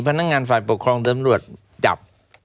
พนักงานฝ่ายปกครองตำรวจจับ